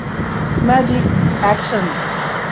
Magic, action.